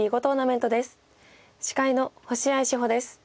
司会の星合志保です。